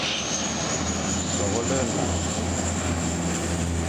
Soghle nlañ,